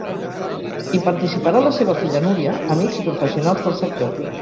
Hi participarà la seva filla Núria, amics i professionals del sector.